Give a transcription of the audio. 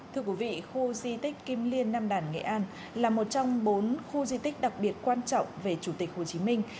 thưa quý vị khu di tích kim liên nam đàn nghệ an là một trong bốn khu di tích đặc biệt quan trọng về chủ tịch hồ chí minh